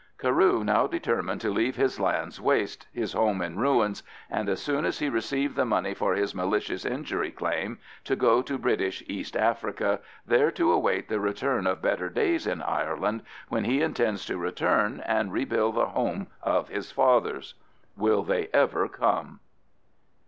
Carew now determined to leave his lands waste, his home in ruins, and as soon as he received the money for his malicious injury claim, to go to British East Africa, there to await the return of better days in Ireland, when he intends to return and rebuild the home of his fathers. Will they ever come?